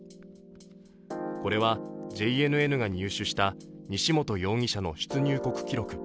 これはＪＮＮが入手した西本容疑者の出入国記録。